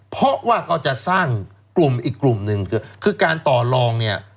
เพราะว่าก็จะสร้างกลุ่มอีกกลุ่มหนึ่งคือการต่อลองเนี่ย